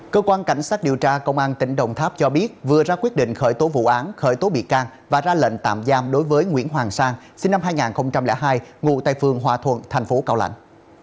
cơ quan cảnh sát điều tra công an tỉnh đồng tháp cho biết vừa ra quyết định khởi tố vụ án khởi tố bị can và ra lệnh tạm giam đối với nguyễn hoàng sang sinh năm hai nghìn hai ngụ tại phường hòa thuận thành phố cao lãnh